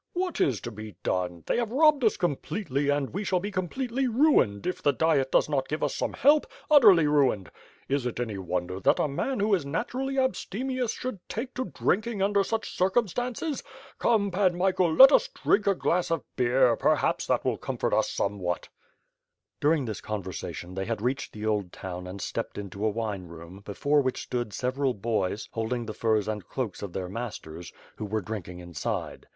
"What is to be done! They have robbed us completely and we shall be completely ruined, if the Diet does not give us some help; utterly ruined. Is it any wonder that a man who is naturally abstemious should take to drinking under such circumstances. Come Pan Michael, let us drink a glass of beer, perhaps that may comfort us somewhat." During this conversation, they had reached the old town and stepped into a wine room before which stood several boys holding the furs and cloaks of their masters, who were drinking inside.